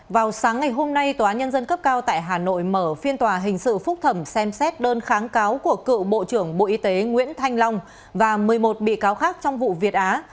vào sáng ngày hôm nay tòa nhân dân cấp cao tại hà nội mở phiên tòa hình sự phúc thẩm xem xét đơn kháng cáo của cựu bộ trưởng bộ y tế nguyễn thanh long và một mươi một bị cáo khác trong vụ việt á